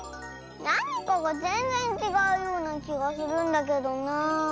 なにかがぜんぜんちがうようなきがするんだけどなあ。